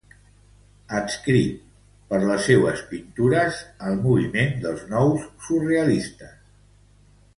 Adscrit per les seues pintures al moviment dels nous surrealistes.